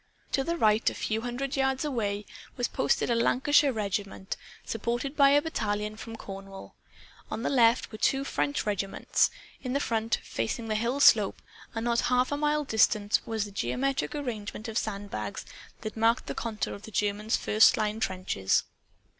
To the right, a few hundred yards away, was posted a Lancashire regiment, supported by a battalion from Cornwall. On the left were two French regiments. In front, facing the hill slope and not a half mile distant, was the geometric arrangement of sandbags that marked the contour of the German first line trenches.